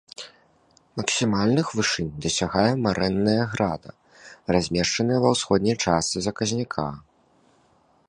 Максімальных вышынь дасягае марэнная града, размешчаная ва ўсходняй частцы заказніка.